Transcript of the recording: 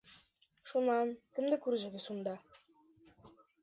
— Шунан, кемде күрҙегеҙ унда?